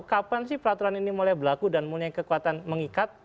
kapan sih peraturan ini mulai berlaku dan mulai kekuatan mengikat